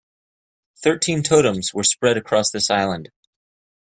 Thirteen totems were spread across this island.